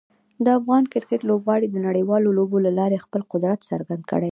د افغان کرکټ لوبغاړو د نړیوالو لوبو له لارې خپل قدرت څرګند کړی دی.